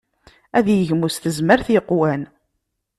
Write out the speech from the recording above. Ad yegmu s tezmert yeqwan.